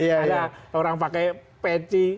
ada orang pakai peci